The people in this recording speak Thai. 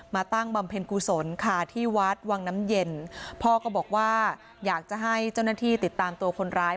ตั้งบำเพ็ญกุศลค่ะที่วัดวังน้ำเย็นพ่อก็บอกว่าอยากจะให้เจ้าหน้าที่ติดตามตัวคนร้าย